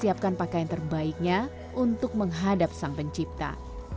siapkan pakaian terbaiknya untuk menghadap sang pencipta